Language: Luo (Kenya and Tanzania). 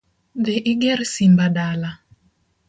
Dhi iger simba dala